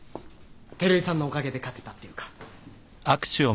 照井さんのおかげで勝てたっていうか。